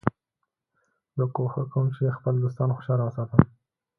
زه کوښښ کوم چي خپل دوستان خوشحاله وساتم.